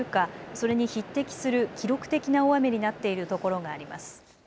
それに匹敵する記録的な大雨になっているところがあります。